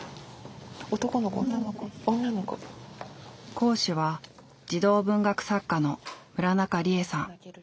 講師は児童文学作家の村中李衣さん。